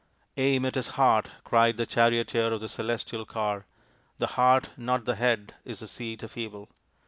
" Aim at his heart," cried the charioteer of the celestial car. " The heart, not the head, is the seat of evil."